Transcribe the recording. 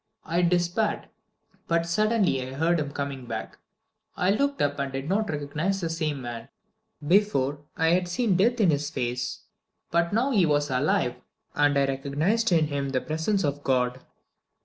I despaired; but suddenly I heard him coming back. I looked up, and did not recognize the same man; before, I had seen death in his face; but now he was alive, and I recognized in him the presence of God.